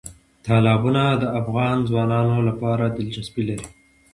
تالابونه د افغان ځوانانو لپاره دلچسپي لري.